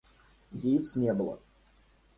Яиц не было.